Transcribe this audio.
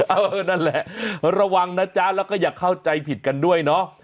เออนั่นแหละระวังนะจ๊ะแล้วก็อย่าเข้าใจผิดกันด้วยเนาะ